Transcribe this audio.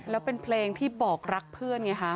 แล้วเป็นเพลงที่บอกรักเพื่อนไงคะ